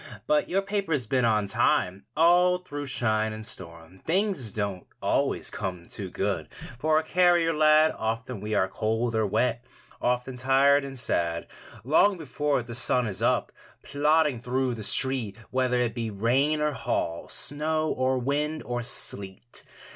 But your paper's been on time All through shine and storm. Things don't always come too good For a carrier lad. Often we are cold or wet, Often tired and sad. Long before the sun is up, Plodding through the street, Whether it be rain or hail, Snow or wind or sleet.